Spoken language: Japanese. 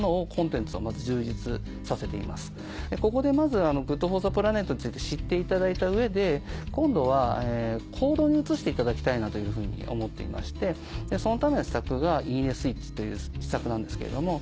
ここでまずＧｏｏｄＦｏｒｔｈｅＰｌａｎｅｔについて知っていただいた上で今度は行動に移していただきたいなというふうに思っていましてそのための施策が「いいねスイッチ」という施策なんですけれども。